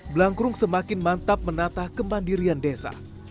blangkrum semakin mantap menata kemandirian desa